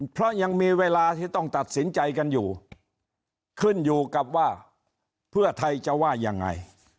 เพราะยังมีเวลาที่ต้องตัดสินใจกันอยู่ขึ้นอยู่กับว่าเพื่อไทยจะว่ายังไง